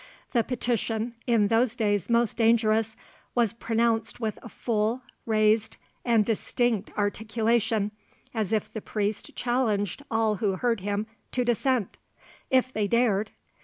The petition (in those days most dangerous) was pronounced with a full, raised, and distinct articulation, as if the priest challenged all who heard him to dissent, if they dared.